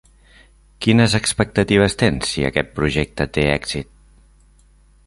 Quines expectatives tens si aquest projecte té èxit?